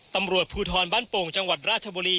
ตำรวจภูทรบ้านโป่งจังหวัดราชบุรี